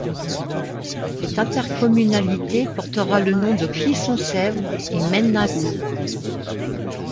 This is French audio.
Cette intercommunalité portera le nom de Clisson Sèvre et Maine Agglo.